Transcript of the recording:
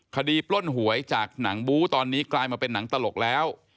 ปล้นหวยจากหนังบู้ตอนนี้กลายมาเป็นหนังตลกแล้ว